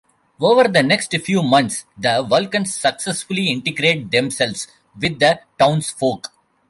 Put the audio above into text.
Over the next few months the Vulcans successfully integrate themselves with the townsfolk.